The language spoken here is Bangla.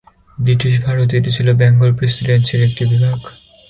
ব্রিটিশ ভারতে এটি ছিল বেঙ্গল প্রেসিডেন্সির একটি বিভাগ।